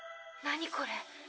何これ。